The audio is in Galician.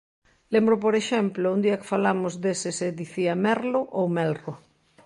Lembro, por exemplo, un día que falamos de se se dicía "merlo" ou "melro".